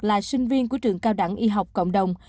là sinh viên của trường cao đẳng y học cộng đồng